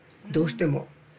どうしても。